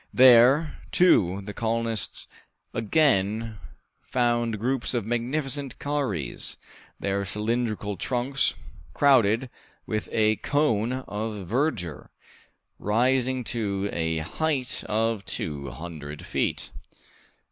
There, too, the colonists again found groups of magnificent kauries, their cylindrical trunks, crowded with a cone of verdure, rising to a height of two hundred feet.